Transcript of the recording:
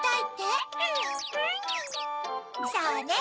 そうね！